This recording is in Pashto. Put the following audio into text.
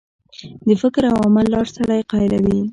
د فکر او عمل لار سړی قایلوي.